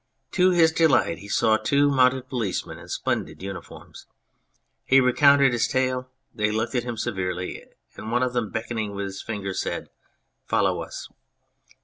To his delight he saw two mounted policemen in splendid uniforms. He recounted his tale ; they looked at him severely, and one of them, beckoning with his finger, said, " Follow us."